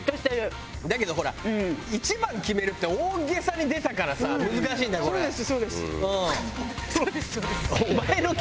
だけどほら一番決めるって大げさに出たからさ難しいんだこれ。